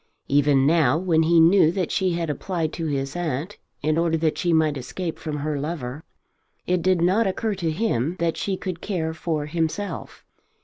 Even now, when he knew that she had applied to his aunt in order that she might escape from her lover, it did not occur to him that she could care for himself.